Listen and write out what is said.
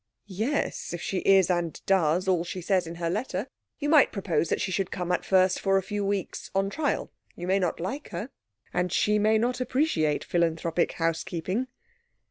"Yes, if she is and does all she says in her letter. You might propose that she should come at first for a few weeks on trial. You may not like her, and she may not appreciate philanthropic housekeeping."